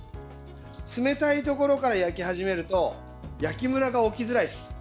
冷たいところから焼き始めると焼きムラが起きづらいです。